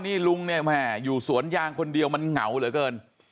นี่ลุงเนี่ยแม่อยู่สวนยางคนเดียวมันเหงาเหลือเกิน